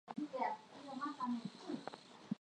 jambo kwa Waandishi wa Habari hawapo pichani